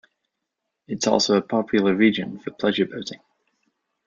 It is also a popular region for pleasure boating.